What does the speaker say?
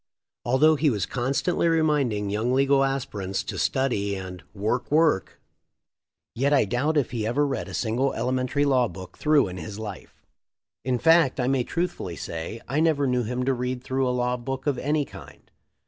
Although he was constantly reminding young legal aspirants to study and "work, work," yet I doubt if he ever read a single elementary law book through in his life. In fact, I may truthfully say. I never knew him to read through a law book of any kind.